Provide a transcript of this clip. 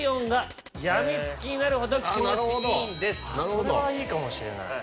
それはいいかもしれない。